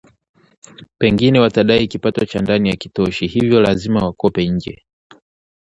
Pengine watadai kipato cha ndani hakitoshi hivyo lazima wakope nje